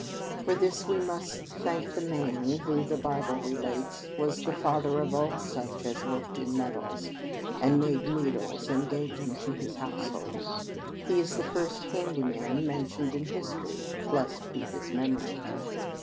For this we must thank the man who, the Bible relates, was "the father of all such as worked in metals, and made needles and gave them to his household." He is the first "handy man" mentioned in history blest be his memory!